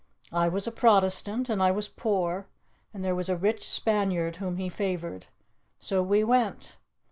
I was a Protestant, and I was poor, and there was a rich Spaniard whom he favoured. So we went.